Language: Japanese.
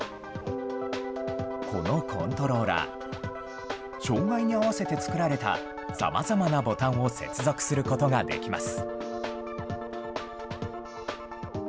このコントローラー、障害に合わせて作られたさまざまなボタンを接続することができます。